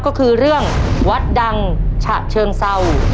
ก็คือเรื่องวัดดังฉะเชิงเศร้า